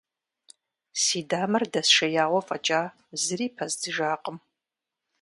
Си дамэр дэсшея фӀэкӀа, зыри пэздзыжакъым.